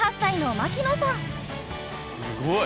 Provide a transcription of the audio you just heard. すごい！